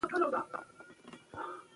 دښتې د ګټورتیا یوه مهمه برخه ده.